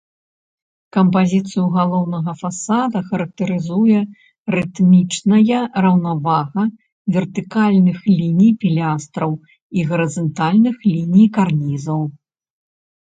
Кампазіцыю галоўнага фасада характарызуе рытмічная раўнавага вертыкальных ліній пілястраў і гарызантальных ліній карнізаў.